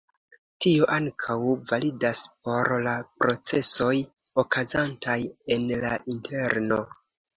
Tio ankaŭ validas por la procesoj okazantaj en la interno.